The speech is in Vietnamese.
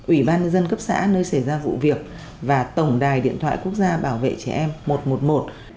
ủy ban nhân dân cấp xã nơi xảy ra vụ việc và tổng đài điện thoại quốc gia bảo vệ trẻ em một trăm một mươi một